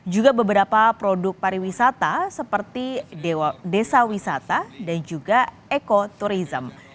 juga beberapa produk pariwisata seperti desa wisata dan juga ekoturism